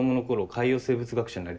海洋生物学者になりたくて。